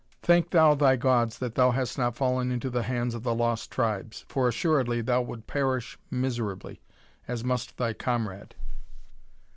Thank thou thy gods that thou hast not fallen into the hands of the Lost Tribes, for assuredly thou would perish miserably, as must thy comrade."